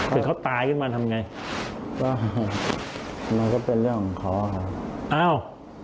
ถ้าเขาตายขึ้นมาทำไงมันก็เป็นเรื่องขอค่ะอ้าว